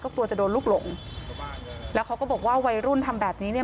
กลัวจะโดนลูกหลงแล้วเขาก็บอกว่าวัยรุ่นทำแบบนี้เนี่ย